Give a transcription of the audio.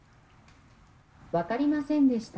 分かりませんでした。